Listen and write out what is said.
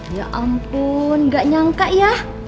ya ampun gak nyangka ya